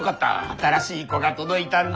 新しい子が届いたんだ。